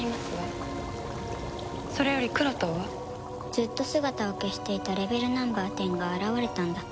ずっと姿を消していたレベルナンバー１０が現れたんだ。